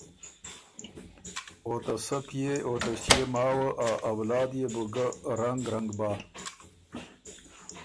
او ته سۀ پئے او ݭيې ماوه ا اولاد يې بو ګۀ رنګ رنګ بَۀ۔